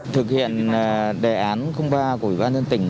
thực hiện đề án ba của ủy ban nhân tỉnh